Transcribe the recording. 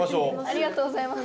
ありがとうございます。